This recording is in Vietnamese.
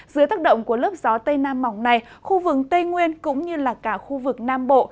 dưới tác động của lớp gió tây nam mỏng này khu vực tây nguyên cũng như là cả khu vực nam bộ